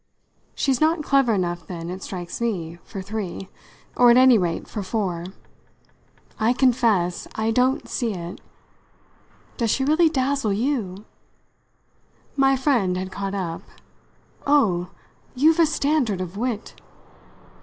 She's not clever enough then, it strikes me, for three or at any rate for four. I confess I don't see it. Does she really dazzle you?" My friend had caught up. "Oh, you've a standard of wit!"